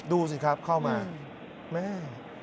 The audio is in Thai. ดูสิครับเข้ามาแม่